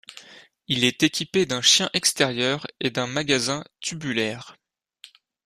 Il est équipé d'un chien extérieur et d'un magasin tubulaire.